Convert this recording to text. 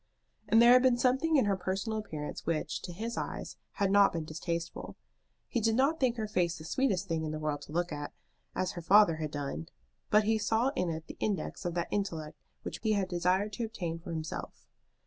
And there had been something in her personal appearance which, to his eyes, had not been distasteful. He did not think her face the sweetest thing in the world to look at, as her father had done, but he saw in it the index of that intellect which he had desired to obtain for himself.